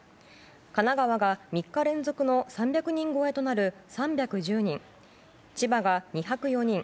神奈川が、３日連続の３００人超えとなる３１０人千葉が２０４人